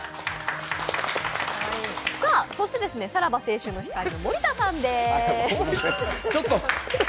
そしてさらば青春の光の森田さんです。